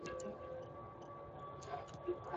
غږ يې ډېر تازه وو.